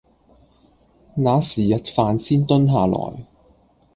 那時日飯先蹲下來